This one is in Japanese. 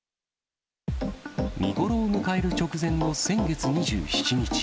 見頃を迎える直前の先月２７日。